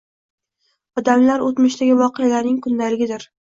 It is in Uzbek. Odamlar o'tmishdagi voqealarning kundaligidir.